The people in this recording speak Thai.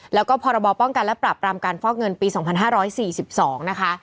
แล้วก็พรบป้องกันและปรับปรามการฟอกเงินปี๒๕๔๒นะคะ